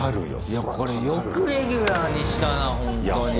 いやこれよくレギュラーにしたなほんとに。